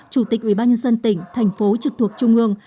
chủ tịch ủy ban nhân dân tỉnh thành phố trực thuộc trung ương